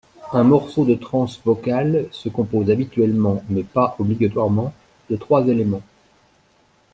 Un morceau de trance vocale se compose habituellement, mais pas obligatoirement, de trois éléments.